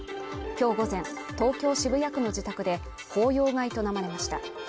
今日午前東京渋谷区の自宅で法要が営まれました